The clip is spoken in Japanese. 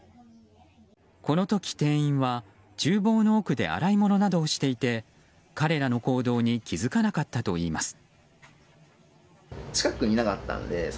この時、店員は厨房の奥で洗い物などをしていて彼らの行動に気付かなかったといいます。